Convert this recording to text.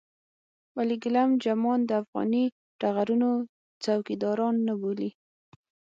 ولې ګېلم جمان د افغاني ټغرونو څوکيداران نه بولې.